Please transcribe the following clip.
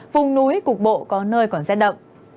vùng núi cục bộ có nơi còn rét đậm